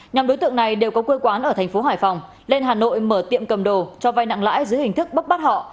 nhóm đối tượng này đều có quê quán ở thành phố hải phòng lên hà nội mở tiệm cầm đồ cho vai nặng lãi dưới hình thức bốc bắt họ